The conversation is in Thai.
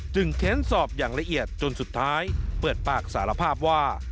เค้นสอบอย่างละเอียดจนสุดท้ายเปิดปากสารภาพว่า